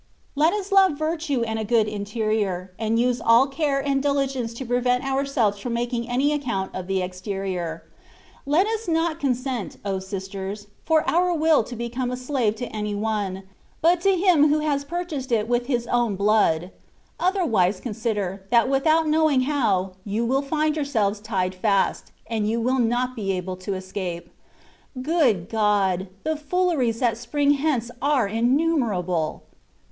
Let us love virtue and a good interior, and use all care and diligence to prevent ourselves from making any account of the exterior. Let us not consent, O sisters ! for our will to become a slave to any one, but to Him who has purchased it with His own blood : otherwise consider, that without knowing how, you will find yourselves tied fast, and you will not be able to escape. Good God ! the fooleries that spring hence are inniunerable.